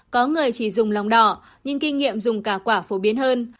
có người chỉ dùng lòng đỏ nhưng kinh nghiệm dùng cả quả phổ biến hơn